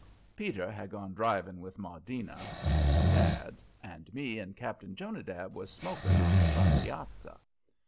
Peter had gone driving with Maudina and her dad, and me and Cap'n Jonadab was smoking on the front piazza.